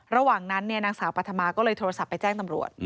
ระหว่างนั้นนางสาวปัธมาก็เลยโทรศัพท์ไปแจ้งตำรวจ